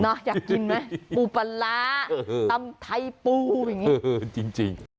อยากกินไหมปูปลาร้าตำไทยปูอย่างนี้จริง